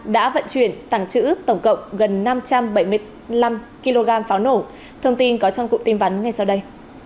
đã vận chuyển tàng trữ tổng cộng gần năm trăm bảy mươi năm kg pháo nổ thông tin có trong cụm tin vắn ngay sau đây